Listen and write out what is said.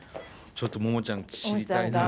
ちょっとモモちゃん知りたいな。